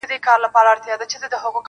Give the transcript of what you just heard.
نه احتیاج یمه د علم نه محتاج د هنر یمه ,